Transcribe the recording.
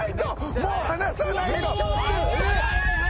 もう離さないと！